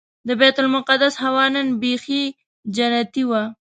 د بیت المقدس هوا نن بيخي جنتي وه.